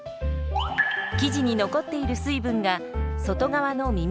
生地に残っている水分が外側のみみへ移るんだそう。